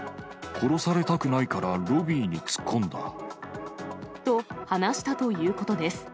殺されたくないから、ロビーに突っ込んだ。と話したということです。